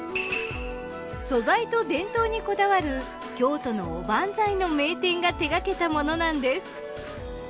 素材と伝統にこだわる京都のおばんざいの名店が手がけたものなんです。